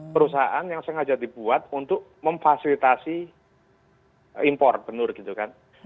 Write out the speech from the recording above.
perusahaan yang sengaja dibuat untuk memfasilitasi impor benar gitu kan